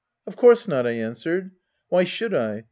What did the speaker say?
" Of course not," I answered :" why should I